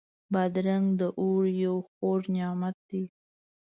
بادرنګ د اوړي یو خوږ نعمت دی.